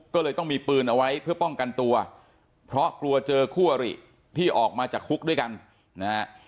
ก็เลยต้องมีปืนเอาไว้เพื่อป้องกันตัวเพราะกลัวเจอคู่อริที่ออกมาจากคุกด้วยกันนะฮะ